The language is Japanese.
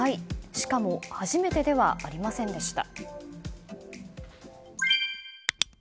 しかも初めてではありませんでした。